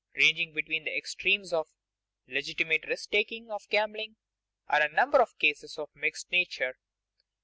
_ Ranging between the extremes of legitimate risk taking and of gambling are a number of cases of a mixed nature.